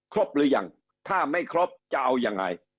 หรือยังถ้าไม่ครบจะเอายังไง